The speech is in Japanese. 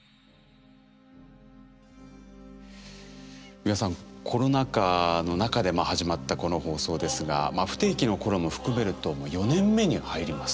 美輪さんコロナ禍の中で始まったこの放送ですが不定期の頃も含めるともう４年目に入ります。